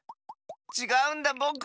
ちがうんだぼく。